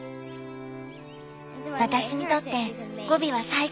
私にとってゴビは最高のスター。